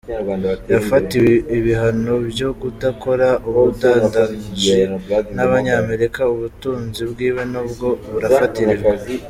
Yafatiwe ibiano vyo kudakora ubudandaji n'abanyamerika, ubutunzi bwiwe na bwo burafatirwa.